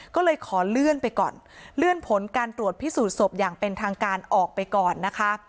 ก็เลยขอเลื่อนไปก่อนเลื่อนผลการตรวจพิสูจนศพอย่างเป็นทางการออกไปก่อนนะคะ